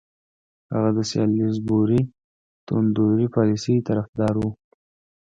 هغه د سالیزبوري توندروي پالیسۍ طرفدار وو.